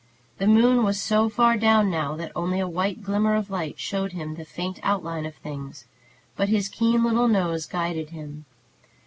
The moon was so far down now, that only a white glimmer of light showed him the faint outline of things; but his keen little nose guided him.